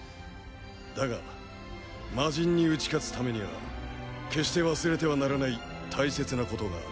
だが魔人に打ち勝つためには決して忘れてはならない大切な事がある。